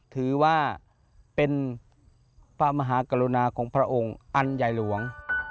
ถือว่าเป็นพระมหากรุณาของพระองค์อันใหญ่หลวง